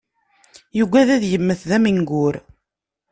Yugad ad immet d amengur.